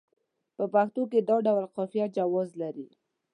په پښتو کې دا ډول قافیه جواز لري.